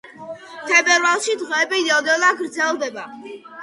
თებერვალში დღეები ნელ-ნელა გრძელდება.